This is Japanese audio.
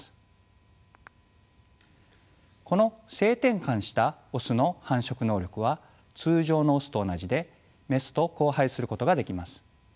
この性転換したオスの繁殖能力は通常のオスと同じでメスと交配することができます。